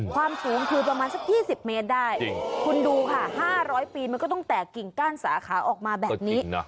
ความสูงคือประมาณสัก๒๐เมตรได้คุณดูค่ะ๕๐๐ปีมันก็ต้องแตกกิ่งก้านสาขาออกมาแบบนี้